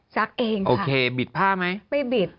ซักเองค่ะไม่บิด